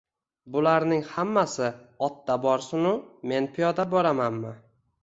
Bularning hammasi otda borsin-u, men piyoda boramanmi